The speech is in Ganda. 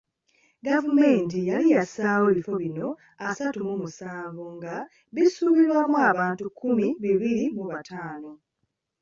Gavumenti yali yassaawo ebifo bino asatu mu musanvu nga bisuubirwamu abantu nkumi bbiri mu bataano.